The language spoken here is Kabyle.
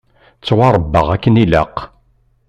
Ttwaṛebbaɣ akken ilaq.